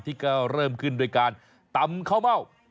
ที่ก็เริ่มขึ้นด้วยการตำข้าวเม่า